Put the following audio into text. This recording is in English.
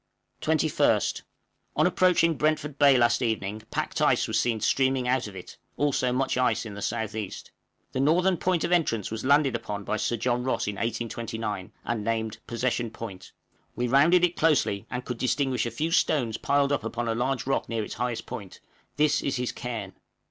{DEPÔT BAY.} 21st. On approaching Brentford Bay last evening packed ice was seen streaming out of it, also much ice in the S.E. The northern point of entrance was landed upon by Sir John Ross in 1829, and named Possession Point; we rounded it closely, and could distinguish a few stones piled up upon a large rock near its highest part this is his cairn.